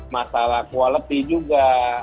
masalah kualitas juga